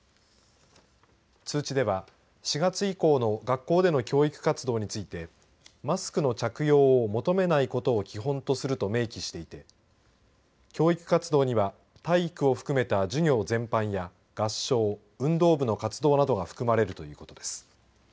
通知では４月以降の学校での教育活動についてマスクの着用を求めないことを基本とすると明記していて教育活動には体育を含めた授業全般や合唱・運動部の活動などが含まれるということです。